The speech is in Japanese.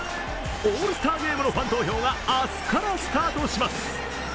オールスターゲームのファン投票が明日からスタートします。